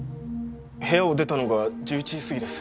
部屋を出たのが１１時すぎです。